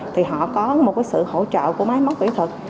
thì họ có một sự hỗ trợ của máy móc kỹ thuật